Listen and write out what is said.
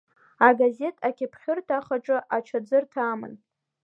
Агазеҭ акьыԥхьырҭа ахаҿы ачаӡырҭа аман.